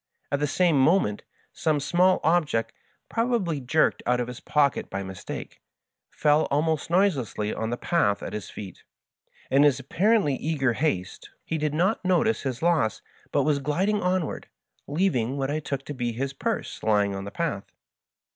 At the same moment some small object, probably jerked out of his pocket by mistake, fell almost noiselessly on the path at his feet. In his apparently eager haste he did not notice his loss, but was gliding onward, leaving what I took to be his purse lying on the path.